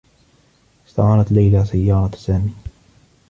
استعارت ليلى سيّارة سامي.